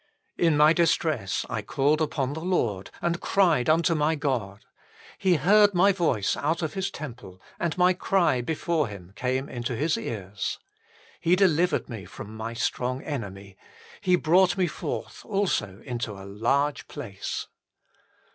" In my distress I called upon the Lord, And cried unto my God : He heard my voice out of His temple, And my cry before Him came into His ears. He delivered me from my strong enemy, He brought me forth also into a large place."